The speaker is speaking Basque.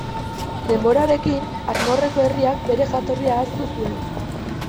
Denborarekin, Arnorreko herriak, bere jatorria ahaztu zuen.